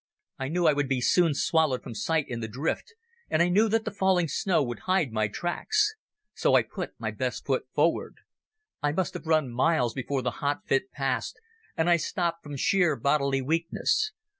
I knew I would be soon swallowed from sight in the drift, and I knew that the falling snow would hide my tracks. So I put my best foot forward. I must have run miles before the hot fit passed, and I stopped from sheer bodily weakness.